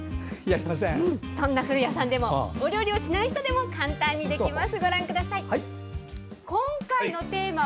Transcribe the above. そんな古谷さんでもお料理をしない人でも簡単にできます。